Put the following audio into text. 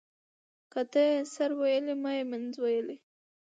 ـ که تا يې سر ويلى ما يې منځ ويلى.